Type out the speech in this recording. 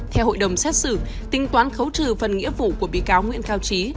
theo hội đồng xét xử tính toán khấu trừ phần nghĩa vụ của bị cáo nguyễn cao trí